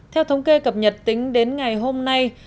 theo thống kê cập nhật tính đến ngày hôm nay